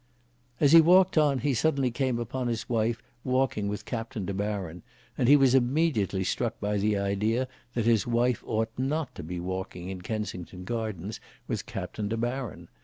As he walked on he suddenly came upon his wife walking with Captain De Baron, and he was immediately struck by the idea that his wife ought not to be walking in Kensington Gardens with Captain De Baron.